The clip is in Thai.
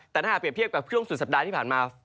แต่ถ้าหากเปรียบเทียบกับช่วงสุดสัปดาห์ที่ผ่านมา